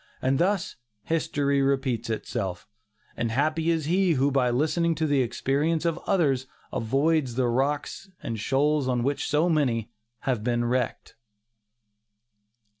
And thus "history repeats itself," and happy is he who by listening to the experience of others avoids the rocks and shoals on which so many have been wrecked.